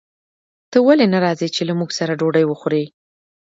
ته ولې نه راځې چې له موږ سره ډوډۍ وخورې